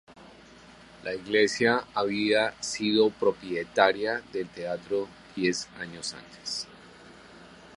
La Iglesia había sido propietaria del teatro diez años antes.